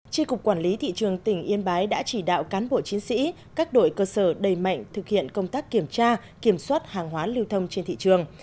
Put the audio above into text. tri cục quản lý thị trường tỉnh yên bái đã chỉ đạo cán bộ chiến sĩ các đội cơ sở đầy mạnh thực hiện công tác kiểm tra kiểm soát hàng hóa lưu thông trên thị trường